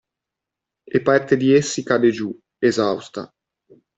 E parte di essi cade giù, esausta.